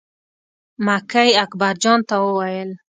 مکۍ اکبر جان ته وویل.